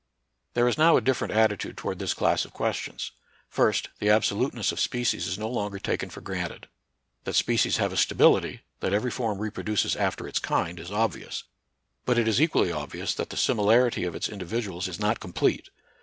There is now a different attitude toward this class of questions. First, the absoluteness of species is no longer taken for granted. That species have a stability, that every form repro duces after its kind, is obvious ; but it is equally obvious that the similarity of its individuals is not complete.